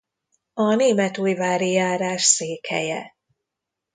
A Németújvári járás székhelye.